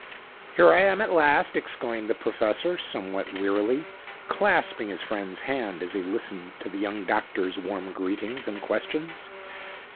"Here I am at last!" exclaimed the professor, somewhat wearily, clasping his friend's hand as he listened to the young doctor's warm greetings and questions.